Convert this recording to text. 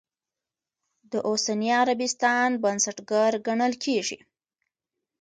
د اوسني عربستان بنسټګر ګڼلی کېږي.